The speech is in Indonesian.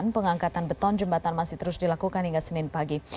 pengangkatan beton jembatan masih terus dilakukan hingga senin pagi